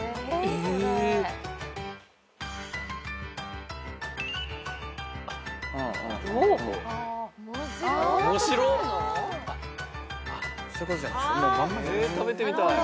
えー食べてみたい。